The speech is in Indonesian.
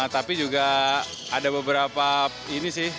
tapi juga ada beberapa ini sih